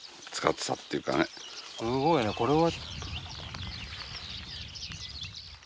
すごいねこれは。